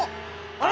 あれ。